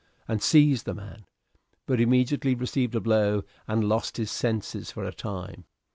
and seized the man; but immediately received a blow, and lost his senses for a time.